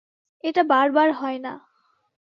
এটা বার বার হয় না।